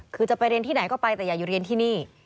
คือจะไปเรียนที่ไหนก็ไปแต่อย่าอยู่เรียนที่นี่